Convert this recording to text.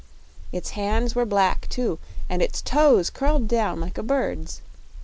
Its hands were black, too, and its toes curled down, like a bird's.